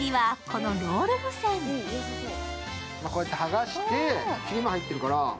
こうやって剥がして、切れ目入ってるから。